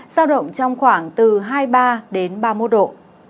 giao động trong khoảng từ hai mươi ba đến ba mươi một độ